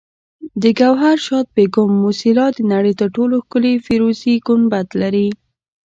د ګوهرشاد بیګم موسیلا د نړۍ تر ټولو ښکلي فیروزي ګنبد لري